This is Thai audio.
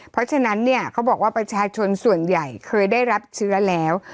เพราะฉะนั้นเนี่ยเขาบอกว่าประชาชนส่วนใหญ่เคยได้รับเชื้อแล้ว